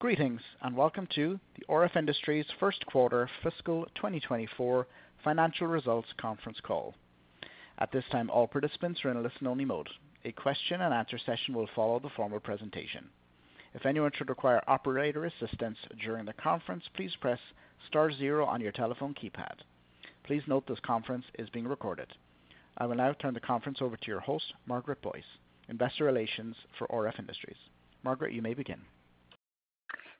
Greetings and welcome to the RF Industries first quarter fiscal 2024 financial results conference call. At this time, all participants are in a listen-only mode. A question-and-answer session will follow the formal presentation. If anyone should require operator assistance during the conference, please press star 0 on your telephone keypad. Please note this conference is being recorded. I will now turn the conference over to your host, Margaret Boyce, Investor Relations for RF Industries. Margaret, you may begin.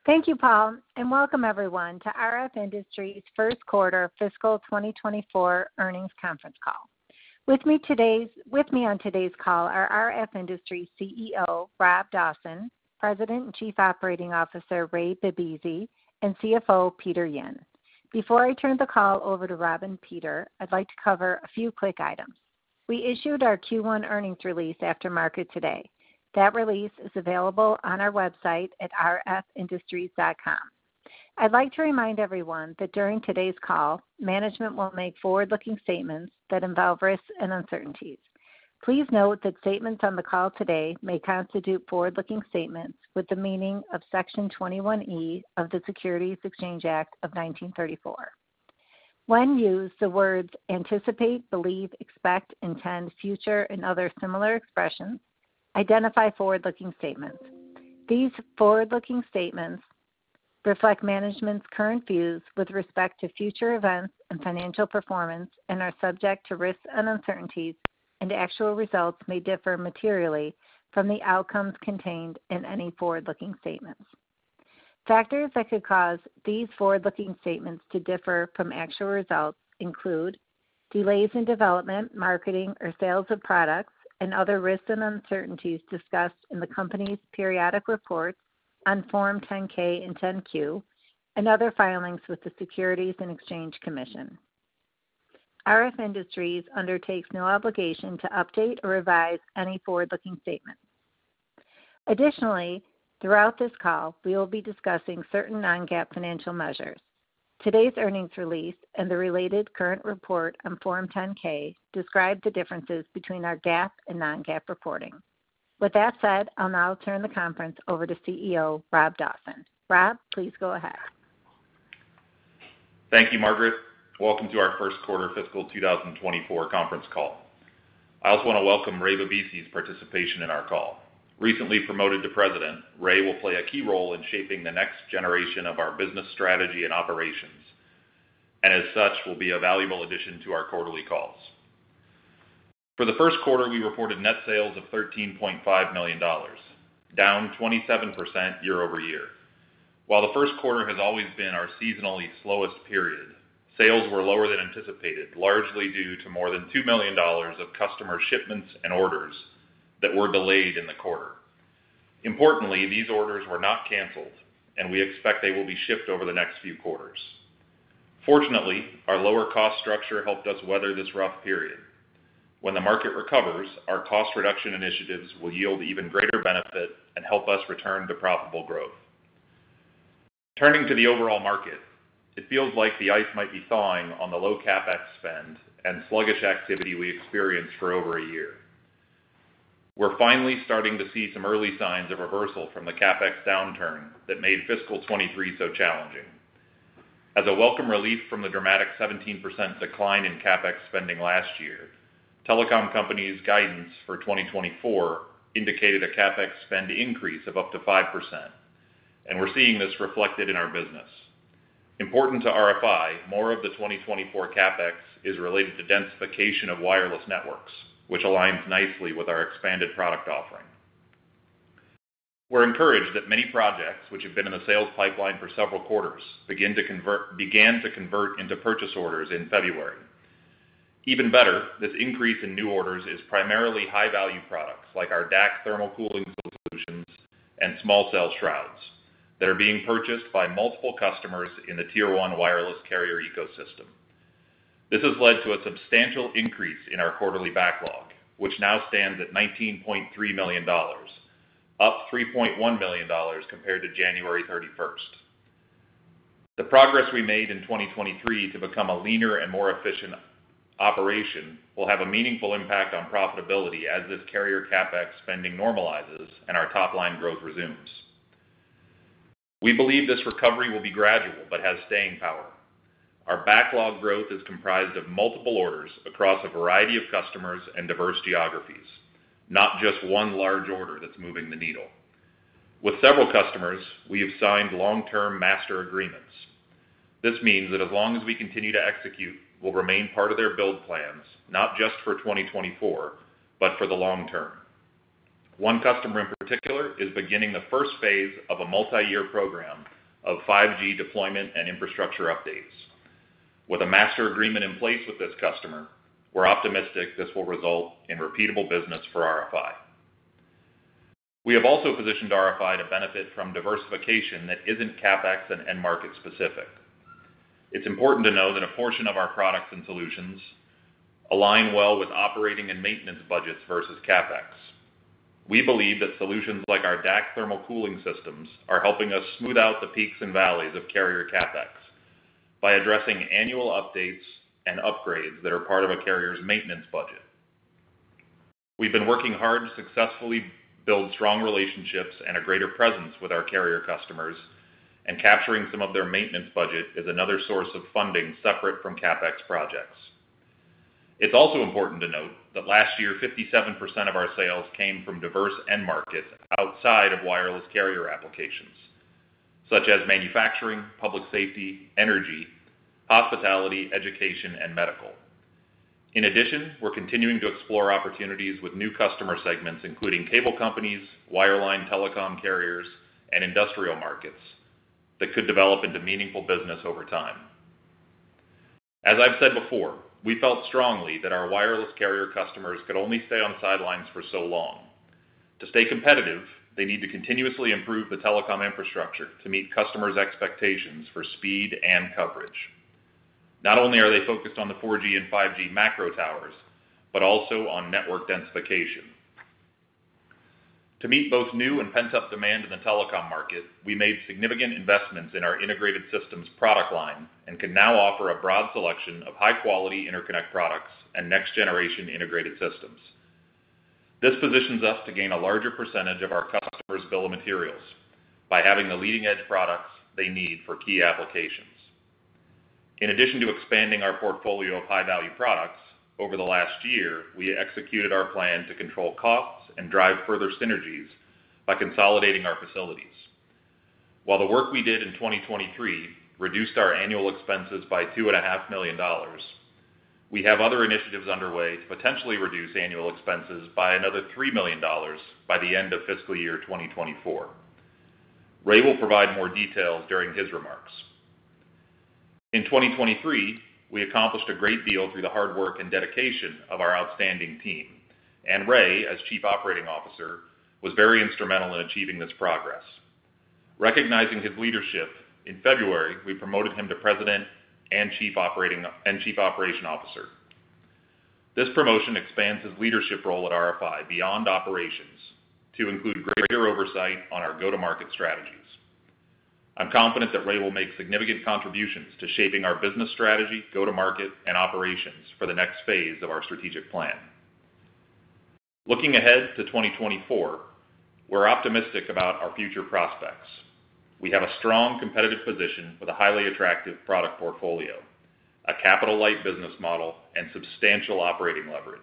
Thank you, Paul, and welcome everyone to RF Industries first quarter fiscal 2024 earnings conference call. With me on today's call are RF Industries CEO Rob Dawson, President and Chief Operating Officer Ray Bibisi, and CFO Peter Yin. Before I turn the call over to Rob and Peter, I'd like to cover a few quick items. We issued our Q1 earnings release after market today. That release is available on our website at rfindustries.com. I'd like to remind everyone that during today's call, management will make forward-looking statements that involve risks and uncertainties. Please note that statements on the call today may constitute forward-looking statements with the meaning of Section 21E of the Securities Exchange Act of 1934. When used the words anticipate, believe, expect, intend, future, and other similar expressions, identify forward-looking statements. These forward-looking statements reflect management's current views with respect to future events and financial performance and are subject to risks and uncertainties, and actual results may differ materially from the outcomes contained in any forward-looking statements. Factors that could cause these forward-looking statements to differ from actual results include delays in development, marketing, or sales of products, and other risks and uncertainties discussed in the company's periodic reports on Form 10-K and 10-Q, and other filings with the Securities and Exchange Commission. RF Industries undertakes no obligation to update or revise any forward-looking statements. Additionally, throughout this call, we will be discussing certain non-GAAP financial measures. Today's earnings release and the related current report on Form 10-K describe the differences between our GAAP and non-GAAP reporting. With that said, I'll now turn the conference over to CEO Rob Dawson. Rob, please go ahead. Thank you, Margaret. Welcome to our first quarter fiscal 2024 conference call. I also want to welcome Ray Bibisi's participation in our call. Recently promoted to president, Ray will play a key role in shaping the next generation of our business strategy and operations, and as such, will be a valuable addition to our quarterly calls. For the first quarter, we reported net sales of $13.5 million, down 27% year-over-year. While the first quarter has always been our seasonally slowest period, sales were lower than anticipated, largely due to more than $2 million of customer shipments and orders that were delayed in the quarter. Importantly, these orders were not canceled, and we expect they will be shipped over the next few quarters. Fortunately, our lower cost structure helped us weather this rough period. When the market recovers, our cost reduction initiatives will yield even greater benefit and help us return to profitable growth. Turning to the overall market, it feels like the ice might be thawing on the low CapEx spend and sluggish activity we experienced for over a year. We're finally starting to see some early signs of reversal from the CapEx downturn that made fiscal 2023 so challenging. As a welcome relief from the dramatic 17% decline in CapEx spending last year, telecom companies' guidance for 2024 indicated a CapEx spend increase of up to 5%, and we're seeing this reflected in our business. Important to RFI, more of the 2024 CapEx is related to densification of wireless networks, which aligns nicely with our expanded product offering. We're encouraged that many projects which have been in the sales pipeline for several quarters began to convert into purchase orders in February. Even better, this increase in new orders is primarily high-value products like our DAC thermal cooling solutions and small cell shrouds that are being purchased by multiple customers in the Tier One wireless carrier ecosystem. This has led to a substantial increase in our quarterly backlog, which now stands at $19.3 million, up $3.1 million compared to January 31st. The progress we made in 2023 to become a leaner and more efficient operation will have a meaningful impact on profitability as this carrier CapEx spending normalizes and our top-line growth resumes. We believe this recovery will be gradual but has staying power. Our backlog growth is comprised of multiple orders across a variety of customers and diverse geographies, not just one large order that's moving the needle. With several customers, we have signed long-term master agreements. This means that as long as we continue to execute, we'll remain part of their build plans, not just for 2024 but for the long term. One customer in particular is beginning the first phase of a multi-year program of 5G deployment and infrastructure updates. With a master agreement in place with this customer, we're optimistic this will result in repeatable business for RFI. We have also positioned RFI to benefit from diversification that isn't CapEx and end-market specific. It's important to know that a portion of our products and solutions align well with operating and maintenance budgets versus CapEx. We believe that solutions like our DAC thermal cooling systems are helping us smooth out the peaks and valleys of carrier CapEx by addressing annual updates and upgrades that are part of a carrier's maintenance budget. We've been working hard to successfully build strong relationships and a greater presence with our carrier customers, and capturing some of their maintenance budget is another source of funding separate from CapEx projects. It's also important to note that last year, 57% of our sales came from diverse end-markets outside of wireless carrier applications, such as manufacturing, public safety, energy, hospitality, education, and medical. In addition, we're continuing to explore opportunities with new customer segments, including cable companies, wireline telecom carriers, and industrial markets that could develop into meaningful business over time. As I've said before, we felt strongly that our wireless carrier customers could only stay on sidelines for so long. To stay competitive, they need to continuously improve the telecom infrastructure to meet customers' expectations for speed and coverage. Not only are they focused on the 4G and 5G macro towers, but also on network densification. To meet both new and pent-up demand in the telecom market, we made significant investments in our integrated systems product line and can now offer a broad selection of high-quality interconnect products and next-generation integrated systems. This positions us to gain a larger percentage of our customers' bill of materials by having the leading-edge products they need for key applications. In addition to expanding our portfolio of high-value products, over the last year, we executed our plan to control costs and drive further synergies by consolidating our facilities. While the work we did in 2023 reduced our annual expenses by $2.5 million, we have other initiatives underway to potentially reduce annual expenses by another $3 million by the end of fiscal year 2024. Ray will provide more details during his remarks. In 2023, we accomplished a great deal through the hard work and dedication of our outstanding team, and Ray, as Chief Operating Officer, was very instrumental in achieving this progress. Recognizing his leadership, in February, we promoted him to President and Chief Operating Officer. This promotion expands his leadership role at RFI beyond operations to include greater oversight on our go-to-market strategies. I'm confident that Ray will make significant contributions to shaping our business strategy, go-to-market, and operations for the next phase of our strategic plan. Looking ahead to 2024, we're optimistic about our future prospects. We have a strong competitive position with a highly attractive product portfolio, a capital-light business model, and substantial operating leverage.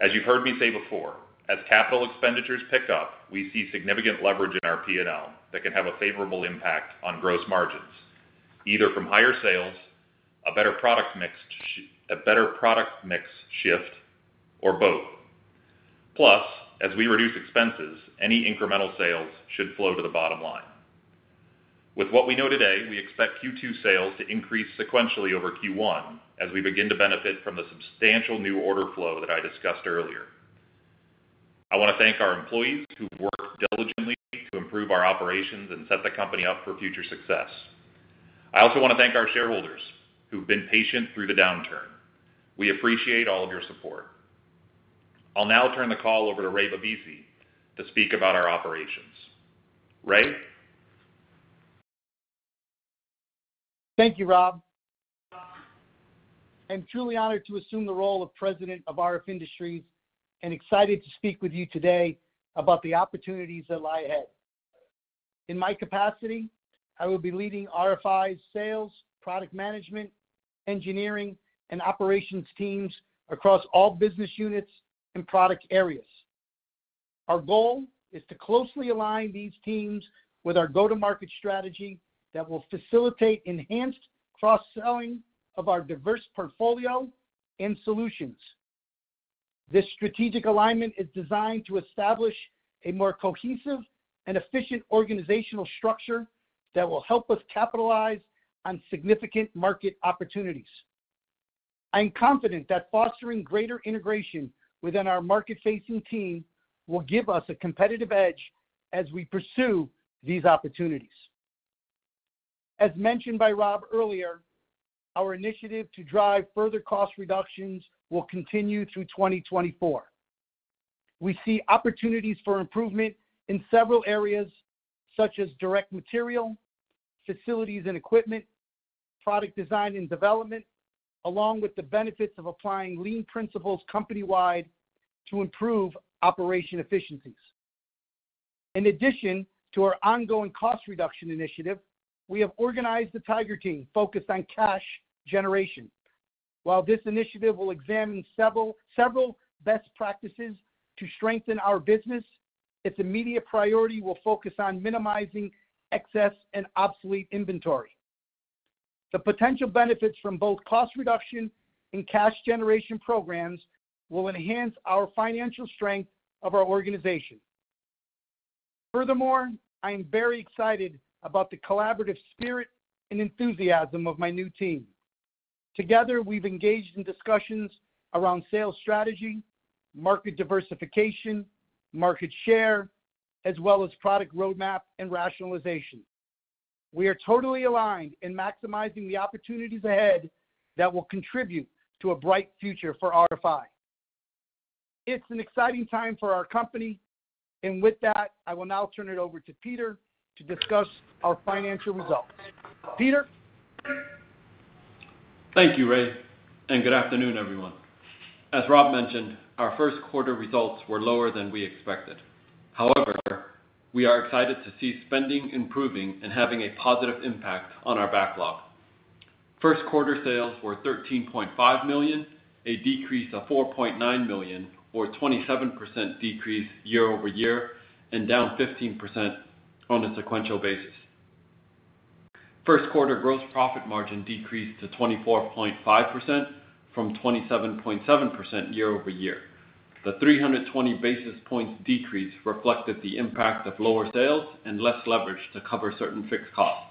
As you've heard me say before, as capital expenditures pick up, we see significant leverage in our P&L that can have a favorable impact on gross margins, either from higher sales, a better product mix shift, or both. Plus, as we reduce expenses, any incremental sales should flow to the bottom line. With what we know today, we expect Q2 sales to increase sequentially over Q1 as we begin to benefit from the substantial new order flow that I discussed earlier. I want to thank our employees who've worked diligently to improve our operations and set the company up for future success. I also want to thank our shareholders who've been patient through the downturn. We appreciate all of your support. I'll now turn the call over to Ray Bibisi to speak about our operations. Ray? Thank you, Rob. I'm truly honored to assume the role of President of RF Industries and excited to speak with you today about the opportunities that lie ahead. In my capacity, I will be leading RFI's sales, product management, engineering, and operations teams across all business units and product areas. Our goal is to closely align these teams with our go-to-market strategy that will facilitate enhanced cross-selling of our diverse portfolio and solutions. This strategic alignment is designed to establish a more cohesive and efficient organizational structure that will help us capitalize on significant market opportunities. I am confident that fostering greater integration within our market-facing team will give us a competitive edge as we pursue these opportunities. As mentioned by Rob earlier, our initiative to drive further cost reductions will continue through 2024. We see opportunities for improvement in several areas such as direct material, facilities and equipment, product design and development, along with the benefits of applying lean principles company-wide to improve operation efficiencies. In addition to our ongoing cost reduction initiative, we have organized the Tiger Team focused on cash generation. While this initiative will examine several best practices to strengthen our business, its immediate priority will focus on minimizing excess and obsolete inventory. The potential benefits from both cost reduction and cash generation programs will enhance our financial strength of our organization. Furthermore, I am very excited about the collaborative spirit and enthusiasm of my new team. Together, we've engaged in discussions around sales strategy, market diversification, market share, as well as product roadmap and rationalization. We are totally aligned in maximizing the opportunities ahead that will contribute to a bright future for RFI. It's an exciting time for our company, and with that, I will now turn it over to Peter to discuss our financial results. Peter? Thank you, Ray, and good afternoon, everyone. As Rob mentioned, our first quarter results were lower than we expected. However, we are excited to see spending improving and having a positive impact on our backlog. First quarter sales were $13.5 million, a decrease of $4.9 million, or a 27% decrease year-over-year and down 15% on a sequential basis. First quarter gross profit margin decreased to 24.5% from 27.7% year-over-year. The 320 basis points decrease reflected the impact of lower sales and less leverage to cover certain fixed costs.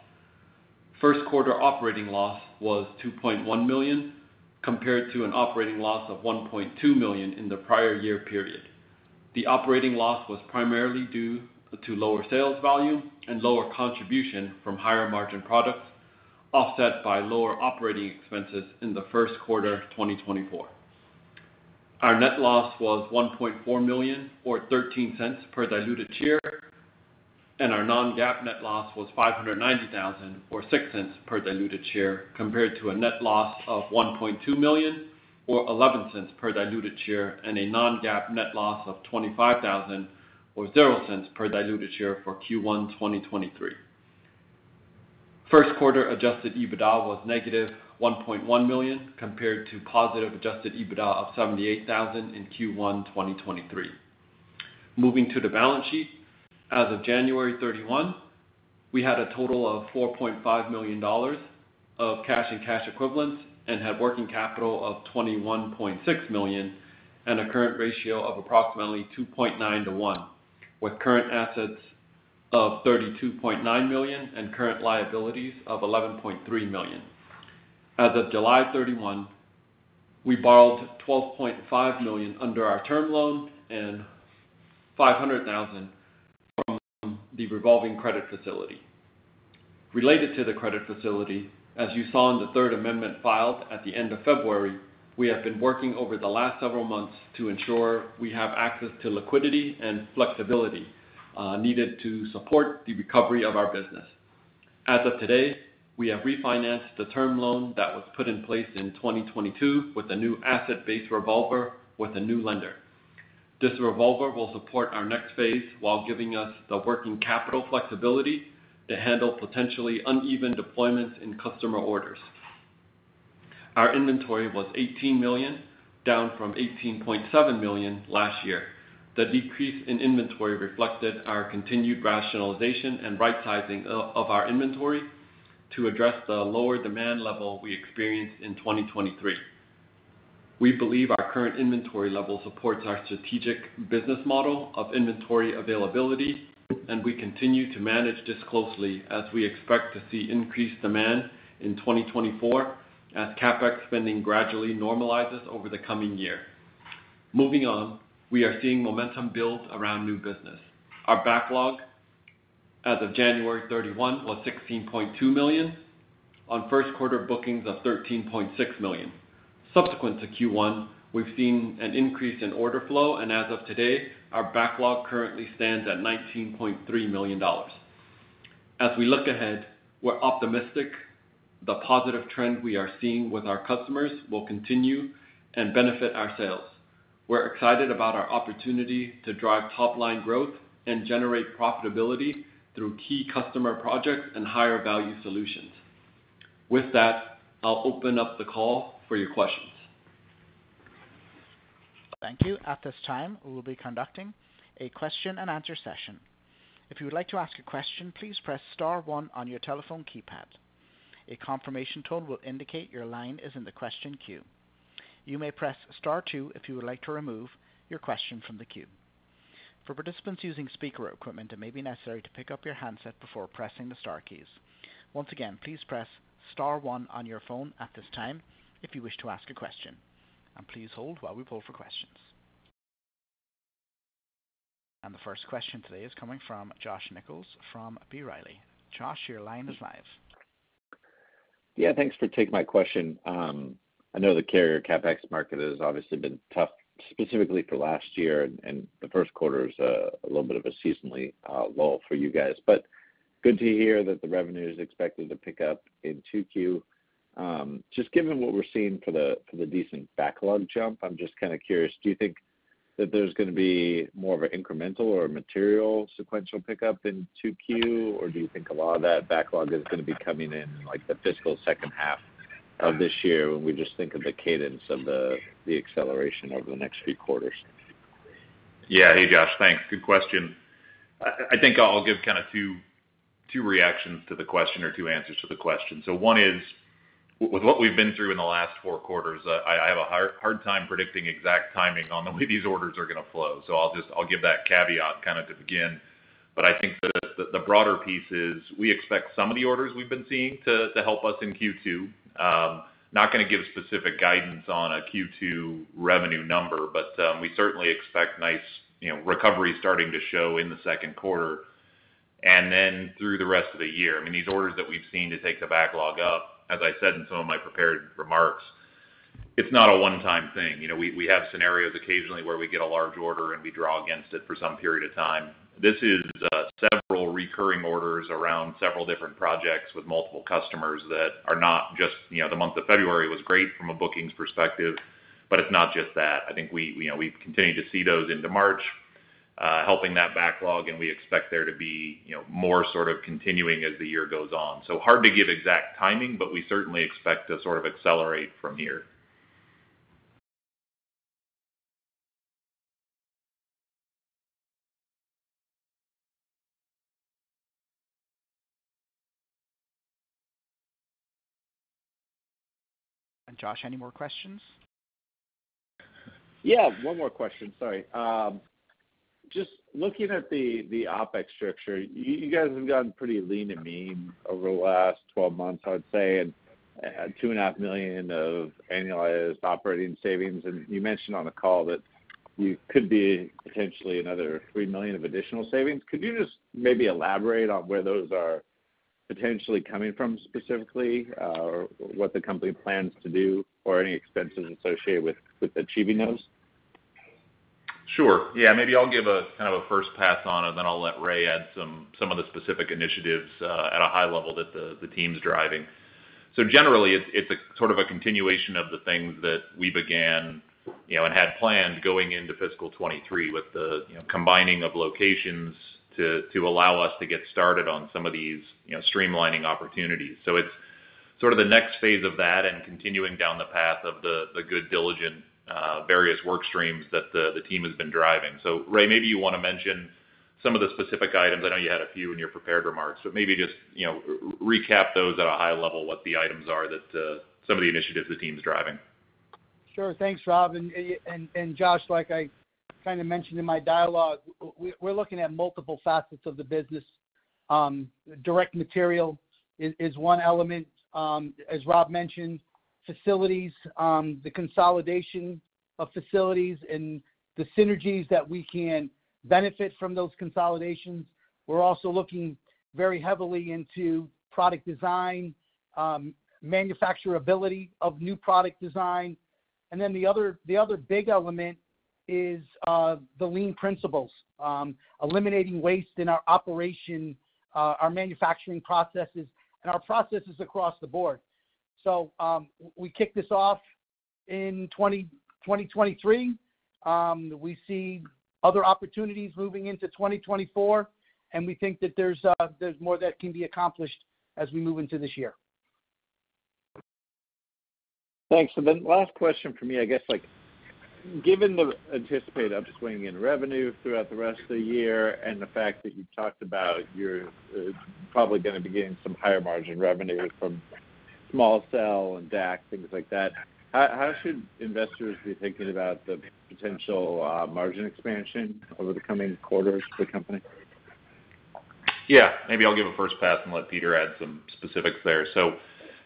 First quarter operating loss was $2.1 million compared to an operating loss of $1.2 million in the prior year period. The operating loss was primarily due to lower sales volume and lower contribution from higher margin products, offset by lower operating expenses in the first quarter 2024. Our net loss was $1.4 million, or $0.13, per diluted share, and our non-GAAP net loss was $590,000, or $0.06, per diluted share compared to a net loss of $1.2 million, or $0.11, per diluted share and a non-GAAP net loss of $25,000, or $0.00, per diluted share for Q1 2023. First quarter adjusted EBITDA was -$1.1 million compared to positive adjusted EBITDA of $78,000 in Q1 2023. Moving to the balance sheet, as of January 31, we had a total of $4.5 million of cash and cash equivalents and had working capital of $21.6 million and a current ratio of approximately 2.9 to 1, with current assets of $32.9 million and current liabilities of $11.3 million. As of July 31, we borrowed $12.5 million under our term loan and $500,000 from the revolving credit facility. Related to the credit facility, as you saw in the Third Amendment filed at the end of February, we have been working over the last several months to ensure we have access to liquidity and flexibility needed to support the recovery of our business. As of today, we have refinanced the term loan that was put in place in 2022 with a new asset-based revolver with a new lender. This revolver will support our next phase while giving us the working capital flexibility to handle potentially uneven deployments in customer orders. Our inventory was $18 million, down from $18.7 million last year. The decrease in inventory reflected our continued rationalization and right-sizing of our inventory to address the lower demand level we experienced in 2023. We believe our current inventory level supports our strategic business model of inventory availability, and we continue to manage this closely as we expect to see increased demand in 2024 as CapEx spending gradually normalizes over the coming year. Moving on, we are seeing momentum build around new business. Our backlog, as of January 31, was $16.2 million on first quarter bookings of $13.6 million. Subsequent to Q1, we've seen an increase in order flow, and as of today, our backlog currently stands at $19.3 million. As we look ahead, we're optimistic the positive trend we are seeing with our customers will continue and benefit our sales. We're excited about our opportunity to drive top-line growth and generate profitability through key customer projects and higher-value solutions. With that, I'll open up the call for your questions. Thank you. At this time, we will be conducting a question-and-answer session. If you would like to ask a question, please press star 1 on your telephone keypad. A confirmation tone will indicate your line is in the question queue. You may press star 2 if you would like to remove your question from the queue. For participants using speaker equipment, it may be necessary to pick up your handset before pressing the star keys. Once again, please press star 1 on your phone at this time if you wish to ask a question, and please hold while we pull for questions. The first question today is coming from Josh Nichols from B. Riley. Josh, your line is live. Yeah, thanks for taking my question. I know the carrier CapEx market has obviously been tough, specifically for last year, and the first quarter is a little bit of a seasonal lull for you guys, but good to hear that the revenue is expected to pick up in Q2. Just given what we're seeing for the decent backlog jump, I'm just kind of curious, do you think that there's going to be more of an incremental or material sequential pickup in Q2, or do you think a lot of that backlog is going to be coming in the fiscal second half of this year when we just think of the cadence of the acceleration over the next few quarters? Yeah, hey, Josh. Thanks. Good question. I think I'll give kind of two reactions to the question or two answers to the question. So one is, with what we've been through in the last four quarters, I have a hard time predicting exact timing on the way these orders are going to flow, so I'll give that caveat kind of to begin. But I think the broader piece is we expect some of the orders we've been seeing to help us in Q2. Not going to give specific guidance on a Q2 revenue number, but we certainly expect nice recovery starting to show in the second quarter and then through the rest of the year. I mean, these orders that we've seen to take the backlog up, as I said in some of my prepared remarks, it's not a one-time thing. We have scenarios occasionally where we get a large order and we draw against it for some period of time. This is several recurring orders around several different projects with multiple customers that are not just the month of February was great from a bookings perspective, but it's not just that. I think we've continued to see those into March, helping that backlog, and we expect there to be more sort of continuing as the year goes on. So hard to give exact timing, but we certainly expect to sort of accelerate from here. Josh, any more questions? Yeah, one more question. Sorry. Just looking at the OpEx structure, you guys have gone pretty lean and mean over the last 12 months, I would say, and $2.5 million of annualized operating savings. And you mentioned on the call that there could be potentially another $3 million of additional savings. Could you just maybe elaborate on where those are potentially coming from specifically, what the company plans to do, or any expenses associated with achieving those? Sure. Yeah, maybe I'll give kind of a first pass on it, then I'll let Ray add some of the specific initiatives at a high level that the team's driving. So generally, it's sort of a continuation of the things that we began and had planned going into fiscal 2023 with the combining of locations to allow us to get started on some of these streamlining opportunities. So it's sort of the next phase of that and continuing down the path of the good, diligent various work streams that the team has been driving. So Ray, maybe you want to mention some of the specific items. I know you had a few in your prepared remarks, but maybe just recap those at a high level, what the items are, some of the initiatives the team's driving. Sure. Thanks, Rob. And Josh, like I kind of mentioned in my dialogue, we're looking at multiple facets of the business. Direct material is one element. As Rob mentioned, facilities, the consolidation of facilities and the synergies that we can benefit from those consolidations. We're also looking very heavily into product design, manufacturability of new product design. And then the other big element is the lean principles, eliminating waste in our operation, our manufacturing processes, and our processes across the board. So we kick this off in 2023. We see other opportunities moving into 2024, and we think that there's more that can be accomplished as we move into this year. Thanks. And then last question for me, I guess. Given the anticipated upswing in revenue throughout the rest of the year and the fact that you talked about you're probably going to be getting some higher margin revenue from small cell and DAC, things like that, how should investors be thinking about the potential margin expansion over the coming quarters for the company? Yeah, maybe I'll give a first pass and let Peter add some specifics there. So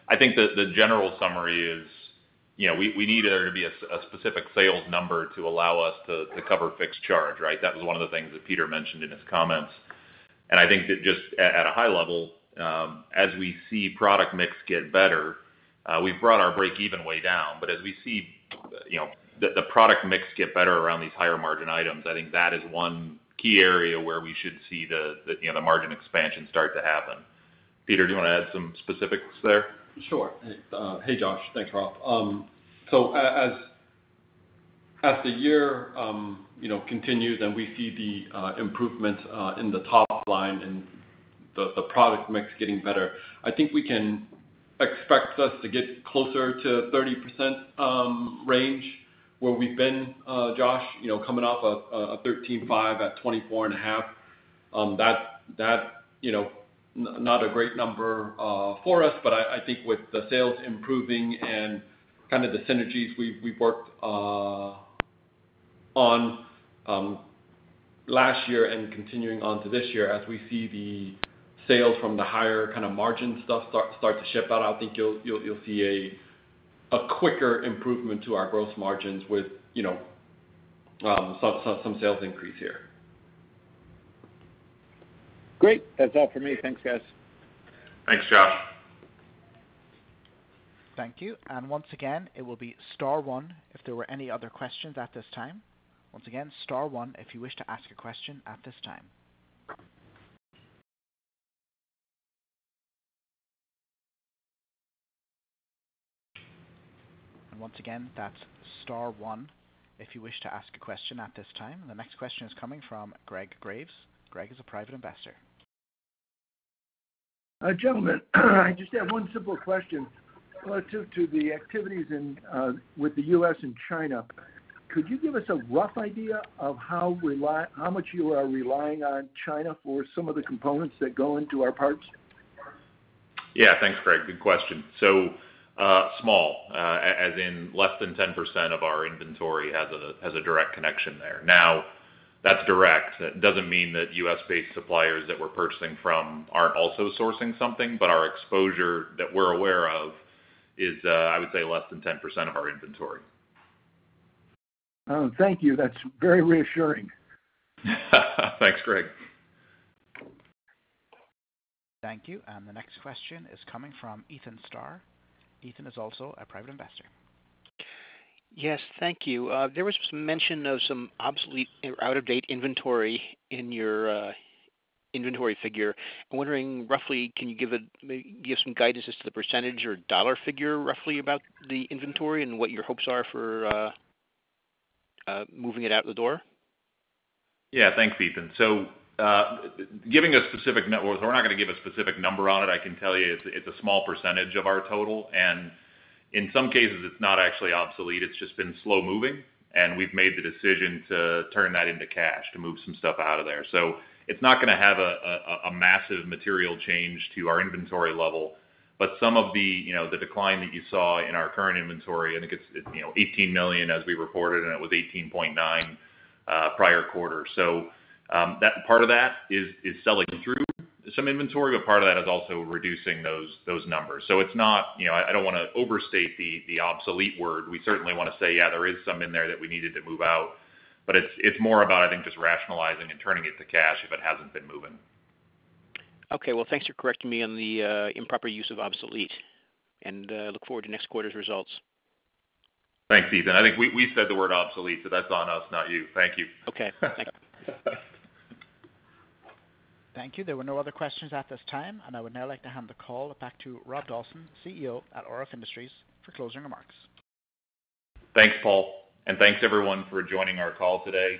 I think the general summary is we need there to be a specific sales number to allow us to cover fixed charge, right? That was one of the things that Peter mentioned in his comments. And I think that just at a high level, as we see product mix get better, we've brought our break-even way down. But as we see the product mix get better around these higher margin items, I think that is one key area where we should see the margin expansion start to happen. Peter, do you want to add some specifics there? Sure. Hey, Josh. Thanks, Rob. So as the year continues and we see the improvements in the top line and the product mix getting better, I think we can expect us to get closer to 30% range where we've been, Josh, coming off a 13.5% at 24.5%. That's not a great number for us, but I think with the sales improving and kind of the synergies we've worked on last year and continuing on to this year, as we see the sales from the higher kind of margin stuff start to ship out, I think you'll see a quicker improvement to our gross margins with some sales increase here. Great. That's all for me. Thanks, guys. Thanks, Josh. Thank you. And once again, it will be star 1 if there were any other questions at this time. Once again, star 1 if you wish to ask a question at this time. And once again, that's star 1 if you wish to ask a question at this time. The next question is coming from Greg Graves. Greg is a private investor. Gentlemen, I just have one simple question relative to the activities with the U.S. and China. Could you give us a rough idea of how much you are relying on China for some of the components that go into our parts? Yeah, thanks, Greg. Good question. So small, as in less than 10% of our inventory has a direct connection there. Now, that's direct. It doesn't mean that U.S.-based suppliers that we're purchasing from aren't also sourcing something, but our exposure that we're aware of is, I would say, less than 10% of our inventory. Thank you. That's very reassuring. Thanks, Greg. Thank you. The next question is coming from Ethan Starr. Ethan is also a private investor. Yes, thank you. There was mention of some obsolete or out-of-date inventory in your inventory figure. I'm wondering, roughly, can you give us some guidance as to the percentage or dollar figure, roughly, about the inventory and what your hopes are for moving it out the door? Yeah, thanks, Ethan. So giving a specific net worth, we're not going to give a specific number on it. I can tell you it's a small percentage of our total. And in some cases, it's not actually obsolete. It's just been slow-moving, and we've made the decision to turn that into cash, to move some stuff out of there. So it's not going to have a massive material change to our inventory level, but some of the decline that you saw in our current inventory, I think it's $18 million as we reported, and it was $18.9 million prior quarter. So part of that is selling through some inventory, but part of that is also reducing those numbers. So I don't want to overstate the obsolete word. We certainly want to say, "Yeah, there is some in there that we needed to move out," but it's more about, I think, just rationalizing and turning it to cash if it hasn't been moving. Okay. Well, thanks for correcting me on the improper use of obsolete. I look forward to next quarter's results. Thanks, Ethan. I think we said the word obsolete, so that's on us, not you. Thank you. Okay. Thank you. Thank you. There were no other questions at this time, and I would now like to hand the call back to Rob Dawson, CEO at RF Industries, for closing remarks. Thanks, Paul. Thanks, everyone, for joining our call today.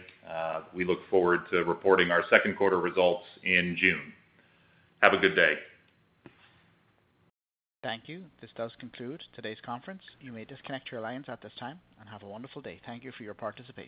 We look forward to reporting our second quarter results in June. Have a good day. Thank you. This does conclude today's conference. You may disconnect your lines at this time and have a wonderful day. Thank you for your participation.